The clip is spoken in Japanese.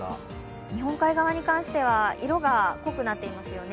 日本海側に関しては色が濃くなっていますよね。